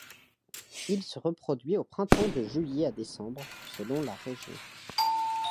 Il se reproduit au printemps, de juillet à décembre, selon la région.